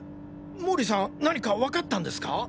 毛利さん何かわかったんですか！？